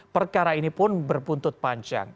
perkara ini pun berbuntut panjang